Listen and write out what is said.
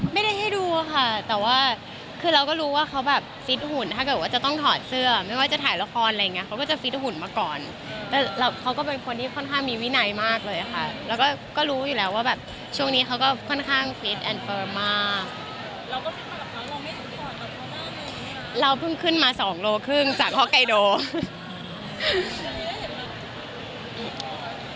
ไม่ได้ให้ดูค่ะแต่ว่าคือเราก็รู้ว่าเขาแบบฟิตหุ่นถ้าเกิดว่าจะต้องถอดเสื้อไม่ว่าจะถ่ายละครอะไรอย่างเงี้เขาก็จะฟิตหุ่นมาก่อนแล้วเขาก็เป็นคนที่ค่อนข้างมีวินัยมากเลยค่ะแล้วก็ก็รู้อยู่แล้วว่าแบบช่วงนี้เขาก็ค่อนข้างฟิตแอนดเฟิร์มมากเราก็เราเพิ่งขึ้นมาสองโลครึ่งจากฮอกไกโด